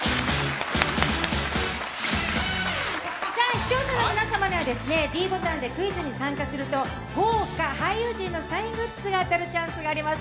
視聴者の皆様にはｄボタンでクイズに参加すると豪華俳優陣のサイングッズが当たるチャンスがあります。